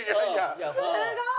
すごい！